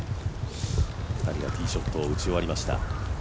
２人がティーショットを打ち終わりました。